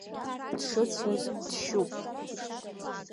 Дшыцәаз дшьуп.